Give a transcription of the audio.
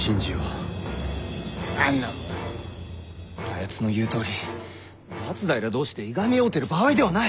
あやつの言うとおり松平同士でいがみ合うてる場合ではない。